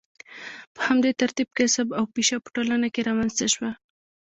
په همدې ترتیب کسب او پیشه په ټولنه کې رامنځته شوه.